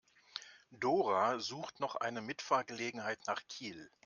Dora sucht noch eine Mitfahrgelegenheit nach Kiel.